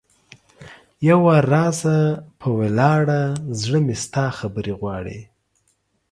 یو وار راسه په ولیاړې ـ زړه مې ستا خبرې غواړي